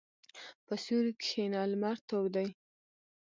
په سیوري کښېنه، لمر تود دی.